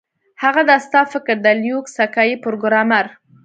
ها دا ستا فکر دی لیوک سکای پروګرامر